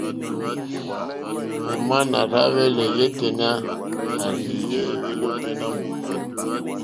Òmá nà rzá hwɛ̄lɛ̀ yêténá à rzí jè.